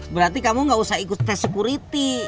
berarti kamu gak usah ikut test security